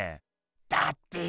だってよ